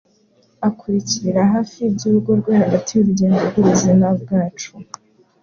Akurikirira hafi iby’urugo rweHagati y'urugendo rwubuzima bwacu